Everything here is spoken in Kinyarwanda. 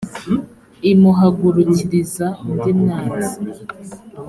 imuhagurukiriza undi mwanzi